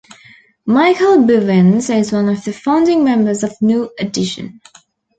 Michael Bivins is one of the founding members of New Edition.